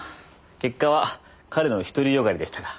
結果は彼の独り善がりでしたが。